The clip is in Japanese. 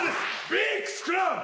ビッグスクラム。